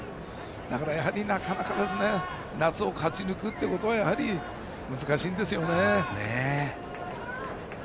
だからなかなか夏を勝ち抜くことはやはり難しいんですよね。